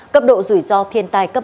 cấp độ rủi ro thiên tài cấp ba